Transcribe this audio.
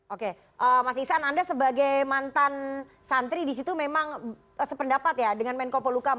oke mas isan anda sebagai mantan santri disitu memang sependapat ya dengan menko polukan